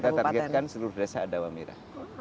iya dan kita targetkan seluruh desa ada wamira